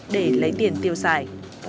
để lấy tiền tiêu xài